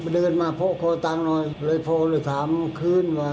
เดินมาโพะคอตังค์หน่อยเลยโทรเลยถามคืนว่า